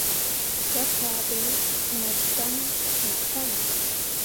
Gataaɓe nah dan nah kalle.